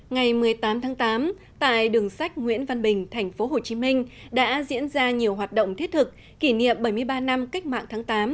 ngày một mươi tám tháng tám tại đường sách nguyễn văn bình tp hcm đã diễn ra nhiều hoạt động thiết thực kỷ niệm bảy mươi ba năm cách mạng tháng tám